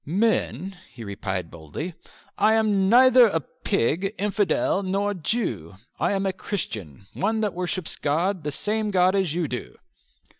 "Men," he replied boldly, "I am neither pig, infidel, nor Jew. I am a Christian, one that worships God, the same God as you do."